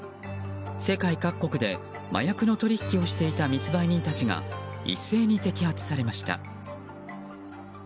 世界各国で麻薬の取引をしていた密売人たちが一斉に摘発されました。